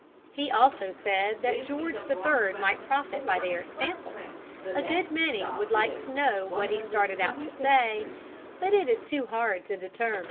He also said that George the Third might profit by their example. A good many would like to know what he started out to say, but it is too hard to determine.